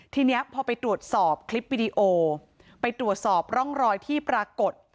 ทีนี้พอไปตรวจสอบคลิปวิดีโอไปตรวจสอบร่องรอยที่ปรากฏ